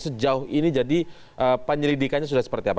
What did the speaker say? sejauh ini jadi penyelidikannya sudah seperti apa